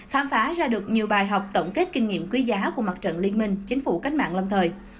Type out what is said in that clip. khám phá ra được nhiều bài học tổng kết kinh nghiệm quý giá của mặt trận liên minh chính phủ cách mạng lâm thời